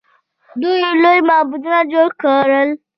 دوی لوی معبدونه جوړ کړل.